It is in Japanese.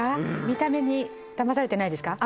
見た目にだまされてないですか？